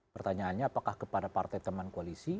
pertanyaannya apakah kepada partai teman koalisi